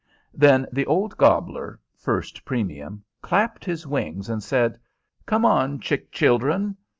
"] Then the old gobbler, First Premium, clapped his wings, and said, "Come on, chick chickledren!"